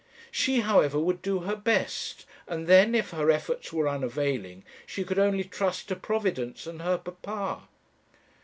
She, however, would do her best; and then, if her efforts were unavailing, she could only trust to Providence and her papa.